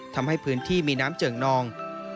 ทำให้พื้นที่มีน้ำเจิ่งนอง